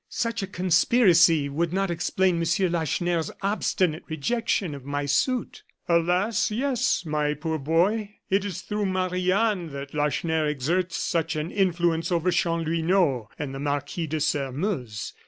"Such a conspiracy would not explain Monsieur Lacheneur's obstinate rejection of my suit." "Alas! yes, my poor boy. It is through Marie Anne that Lacheneur exerts such an influence over Chanlouineau and the Marquis de Sairmeuse.